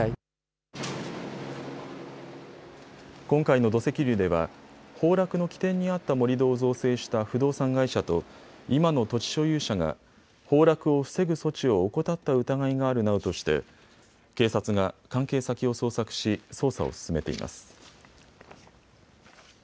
今回の土石流では崩落の起点にあった盛り土を造成した不動産会社と今の土地所有者が崩落を防ぐ措置を怠った疑いがあるなどとして警察が関係先を捜索し捜査を進めています。